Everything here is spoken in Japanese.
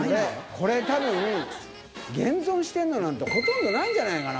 これ多分現存してんのなんてほとんどないんじゃないかな？